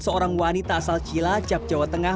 seorang wanita asal cilacap jawa tengah